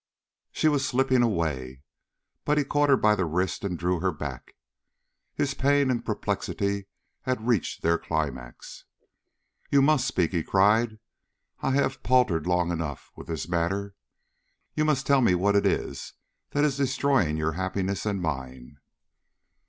She was slipping away, but he caught her by the wrist and drew her back. His pain and perplexity had reached their climax. "You must speak," he cried. "I have paltered long enough with this matter. You must tell me what it is that is destroying your happiness and mine."